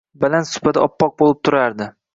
Baland supada oppoq bo‘lib turardi.